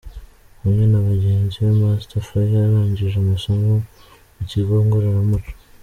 Hamwe na bagenzi be, Master Fire yarangije amasomo mu kigo ngororamuco.